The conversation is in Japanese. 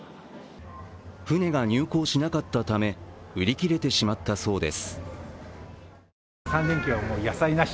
船が入港しなかったため売り切れてしまったそうです。